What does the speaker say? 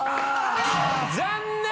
残念！